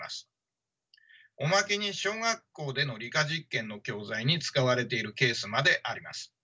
おまけに小学校での理科実験の教材に使われているケースまであります。